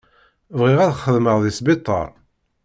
Bɣiɣ ad xedmeɣ deg sbiṭaṛ.